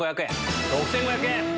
６５００円。